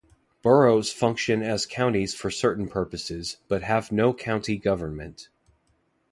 Boroughs function as counties for certain purposes, but have no county government.